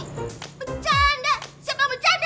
bercanda siapa bercanda